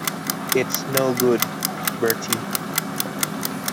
It's no good, Bertie.